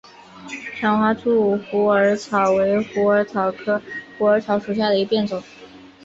长花柱虎耳草为虎耳草科虎耳草属下的一个变种。